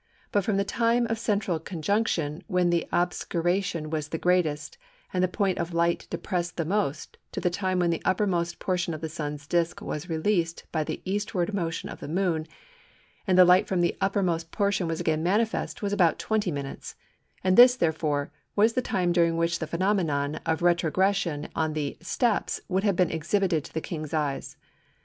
But from the time of central conjunction, when the obscuration was the greatest and the point of light depressed the most, to the time when the uppermost portion of the Sun's disc was released by the eastward motion of the Moon, and the light from that uppermost portion was again manifest, was about 20 minutes, and this, therefore, was the time during which the phenomenon of retrogression on the "steps" would have been exhibited to the King's eyes.